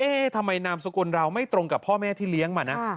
ทำไมนามสกุลเราไม่ตรงกับพ่อแม่ที่เลี้ยงมานะ